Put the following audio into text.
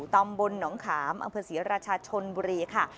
ตำบลหนองขามอำเภอศรีราชาชนบุรีค่ะ